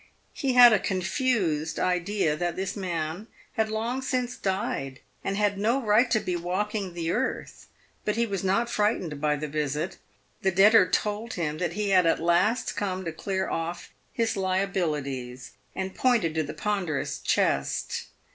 He had a confused idea that this man had long since died and had no right to be walking the earth, but he was not frightened by the visit. The debtor told him he had at last come to clear off his liabilities, and pointed to the ponderous chest.